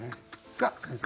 さあ先生